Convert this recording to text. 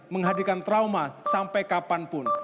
menghadirkan trauma sampai kapanpun